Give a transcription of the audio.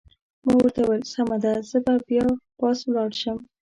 ما ورته وویل: سمه ده، زه به بیا پاس ولاړ شم.